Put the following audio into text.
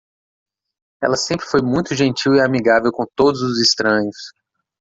Ela sempre foi muito gentil e amigável com todos os estranhos.